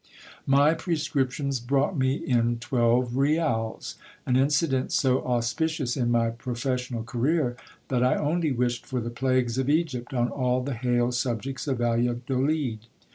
My prescriptions brought me in twelve rials ; an incident so auspicious in my professional career, that I only wished for the plagues of Egypt on all the hale subjects of Valladolid.